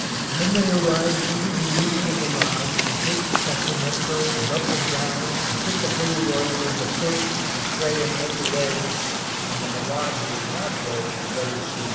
Then they arrive into the room of the malade and take the sacramento and up and down and put the holy oil in the foot and pray and went away, and the malade who is not dead would very soonly die."